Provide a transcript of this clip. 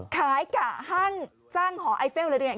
ขายกระห้ังสร้างหอไอเฟลร์เลยหรือยัง